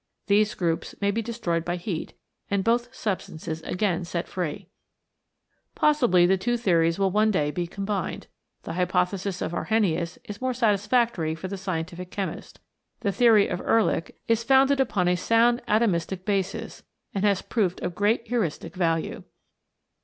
These groups may be destroyed by heat, and both sub stances again set free. Possibly the two theories 130 CHEMICAL ACTIONS: PROTOPLASM will one day be combined. The hypothesis of Arrhenius is more satisfactory for the scientific chemist. The theory of Ehrlich is founded upon a sound atomistic basis, and has proved of great heuristic value.